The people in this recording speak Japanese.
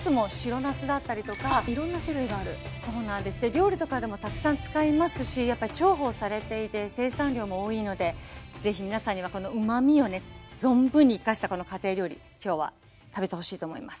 料理とかでもたくさん使いますしやっぱり重宝されていて生産量も多いので是非皆さんにはこのうまみをね存分に生かしたこの家庭料理今日は食べてほしいと思います。